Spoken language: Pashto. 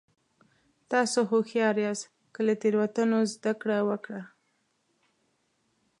تاسو هوښیار یاست که له تېروتنو زده کړه وکړه.